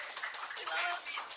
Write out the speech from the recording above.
gue harus bangun dulu